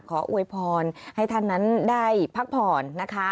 อวยพรให้ท่านนั้นได้พักผ่อนนะคะ